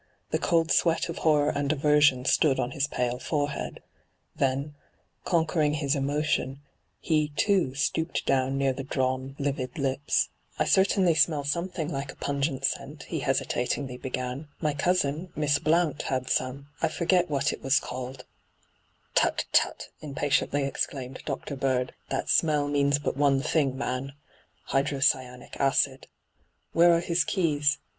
The cold sweat of horror and aversion stood on his pale forehead. Then, conquering his emotion, he, too, stooped down near the drawn, livid lips. ' I certainly smell something like a pungent scent,* he hesitatingly began. ' My cousin, Miss Blount, had some. I forget what it was called.' 33 3 nyt,, 6^hyG00glc 34 ENTRAPPED ' Tut, tut r impatiently exclaimed Dr. Bird. ' That smell means but one thing, man — hydrocyanic acid. Where are his keys